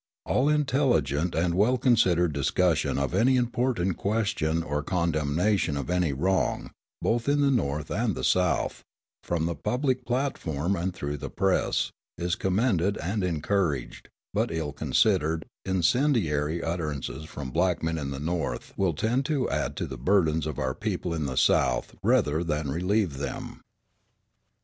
All intelligent and well considered discussion of any important question or condemnation of any wrong, both in the North and the South, from the public platform and through the press, is to be commended and encouraged; but ill considered, incendiary utterances from black men in the North will tend to add to the burdens of our people in the South rather than relieve them.